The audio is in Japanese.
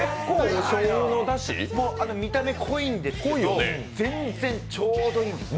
見た目濃いんですけど、全然ちょうどいいんです。